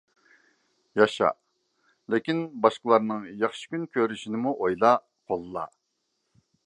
ياشا، لېكىن باشقىلارنىڭ ياخشى كۈن كۆرۈشىنىمۇ ئويلا، قوللا.